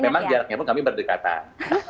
karena memang jaraknya pun kami berdekatan